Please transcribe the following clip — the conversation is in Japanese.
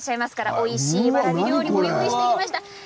おいしいわらび料理を用意していただきました。